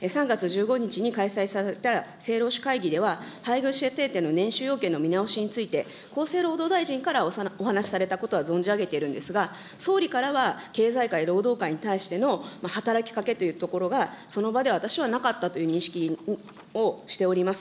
３月１５日に開催された政労使会議では、配偶者手当の年収要件の見直しについて、厚生労働大臣からお話しされたことは存じ上げているんですが、総理からは経済界、労働界に対しての働きかけというところが、その場では私はなかったという認識をしております。